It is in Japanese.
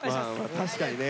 確かにね。